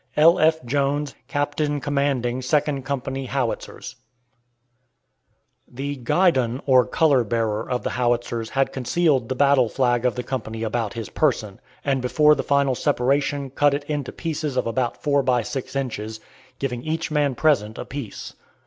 L.F. JONES, Captain Commanding Second Company Howitzers. The "guidon," or color bearer, of the Howitzers had concealed the battle flag of the company about his person, and before the final separation cut it into pieces of about four by six inches, giving each man present a piece.